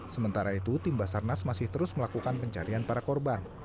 sementara itu tim basarnas masih terus melakukan pencarian para korban